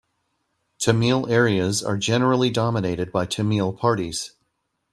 Tamil areas are generally dominated by Tamil parties.